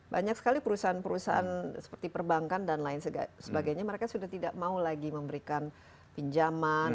banyak sekali perusahaan perusahaan seperti perbankan dan lain sebagainya mereka sudah tidak mau lagi memberikan pinjaman